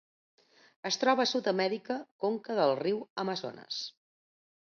Es troba a Sud-amèrica: conca del riu Amazones.